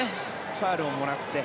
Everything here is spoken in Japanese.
ファウルをもらって。